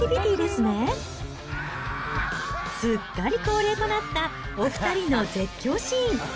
すっかり恒例となったお２人の絶叫シーン。